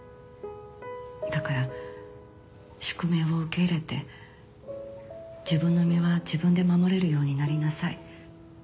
「だから宿命を受け入れて自分の身は自分で守れるようになりなさい」